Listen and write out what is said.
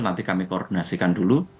nanti kami koordinasikan dulu